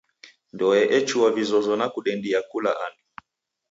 Ndoe echua vizozo nakudendia kula andu.